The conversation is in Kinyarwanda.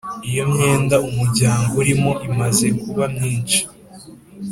Iyo imyenda umuryango urimo imaze kuba myinshi